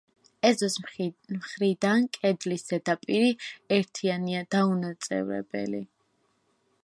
ეზოს მხრიდან კედლის ზედაპირი ერთიანია, დაუნაწევრებელი.